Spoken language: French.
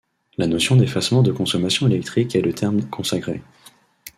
La notion d'effacement de consommation électrique est le terme consacré.